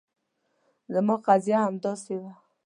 زما قضیه هم همداسې وه.